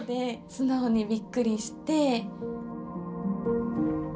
素直にびっくりして。